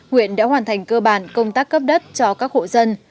huyện đã hoàn thành cơ bản công tác cấp đất cho các hộ dân